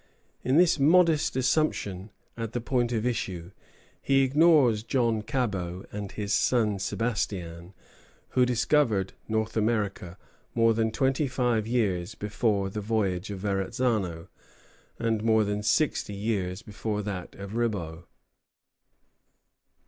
In this modest assumption of the point at issue, he ignores John Cabot and his son Sebastian, who discovered North America more than twenty five years before the voyage of Verrazzano, and more than sixty years before that of Ribaut.